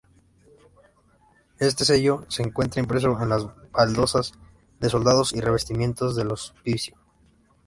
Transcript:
Este sello, se encuentra impreso en las baldosas de solados y revestimientos del hospicio.